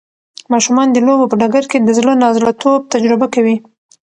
ماشومان د لوبو په ډګر کې د زړه نا زړه توب تجربه کوي.